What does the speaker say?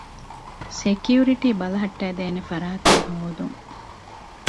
ސެކިއުރިޓީ ބަލަހައްޓައިދޭނެ ފަރާތެއް ހޯދުން